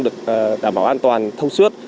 được đảm bảo an toàn thông suốt